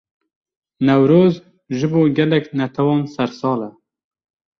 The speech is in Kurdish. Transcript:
Newroz, ji bo gelek netewan sersal e